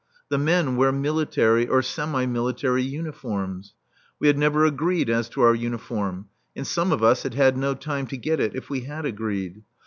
The men wear military or semi military uniforms. We had never agreed as to our uniform, and some of us had had no time to get it, if we had agreed.